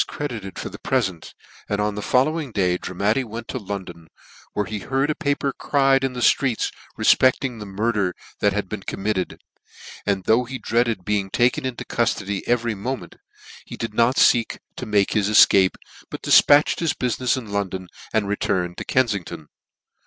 credited for the prefent, and on the following day Dramatti went to London, where he heard a paper cried in the ftreets refpecl ing the murder that had been committed ; and though he dreaded being taken into cuflody every moment, yo NEW NEWGATE CALENDAR. moment, yet he did not feek to make his efcape j but difpatched his buftnefs in London, and re turned to Kenfington.